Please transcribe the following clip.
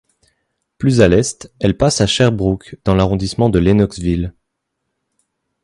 Plus à l'est, elle passe à Sherbrooke, dans l'arrondissement de Lennoxville.